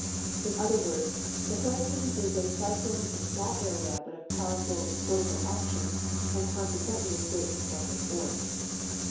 In other words, the hurricane is a cyclone of small area Ijut of })owerful vortical action, and consequently^ of great destru.ctive force.